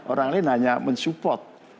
orang lain hanya mensupport